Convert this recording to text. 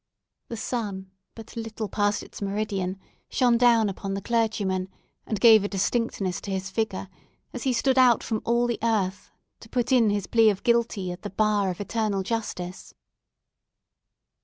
The sun, but little past its meridian, shone down upon the clergyman, and gave a distinctness to his figure, as he stood out from all the earth, to put in his plea of guilty at the bar of Eternal Justice.